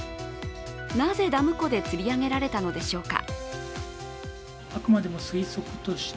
なぜダム湖で釣り上げられたのでしょうか。